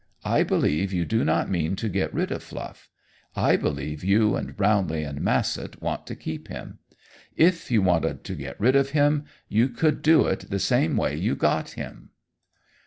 I believe you do not mean to get rid of Fluff. I believe you and Brownlee and Massett want to keep him. If you wanted to get rid of him, you could do it the same way you got him."